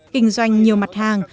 kinh doanh nhiều mặt hàng